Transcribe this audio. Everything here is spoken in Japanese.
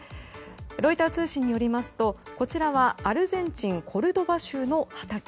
ロイター通信によりますとこちらはアルゼンチン・コルドバ州の畑。